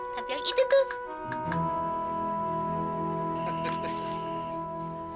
tapi yang itu tuh